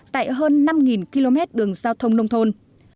tại hơn năm km đường giao thông nông thôn